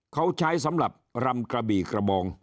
เขาใช้สำหรับรำกระบี่กระบอง